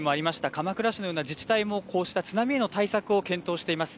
鎌倉市のような自治体もこうした津波の対策を検討しています。